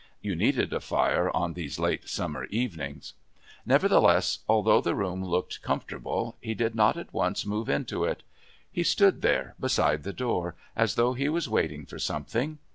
(You needed a fire on these late summer evenings.) Nevertheless, although the room looked comfortable, he did not at once move into it. He stood there beside the door, as though he was waiting for something.